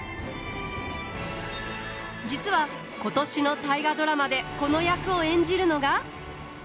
実は今年の「大河ドラマ」でこの役を演じるのが。